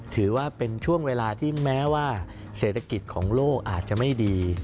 ถือว่าเป็นช่วงเวลาที่แม้ว่าเศรษฐกิจของโลกอาจจะไม่ดี